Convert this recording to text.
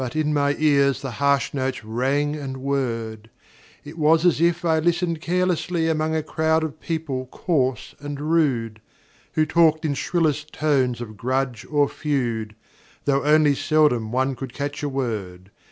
But in my ears the harsh notes rang and whirred; It was as if I listened carelessly Among a crowd of people coarse and rude, Who talked in shrillest tones of grudge or feud, Though only seldom one could catch a word.